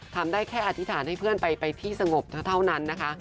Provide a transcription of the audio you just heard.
ทำได้แค่อธิษฐานให้เพื่อนไปที่สงบเท่านั้นนะคะ